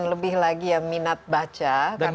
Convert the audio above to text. lebih lagi ya minat baca